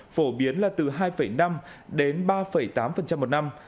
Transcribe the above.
phổ biến là từ hai năm đến ba tám một năm